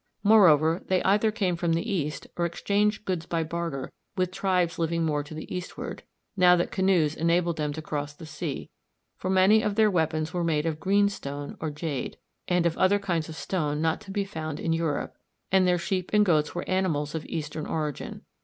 Moreover, they either came from the east or exchanged goods by barter with tribes living more to the eastward, now that canoes enabled them to cross the sea; for many of their weapons were made of greenstone or jade, and of other kinds of stone not to be found in Europe, and their sheep and goats were animals of eastern origin.